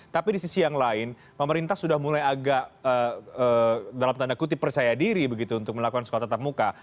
tapi di sisi yang lain pemerintah sudah mulai agak dalam tanda kutip percaya diri begitu untuk melakukan sekolah tetap muka